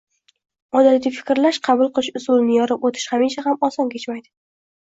Odatiy fikrlash, qabul qilish usulini yorib oʻtish hamisha ham oson kechmaydi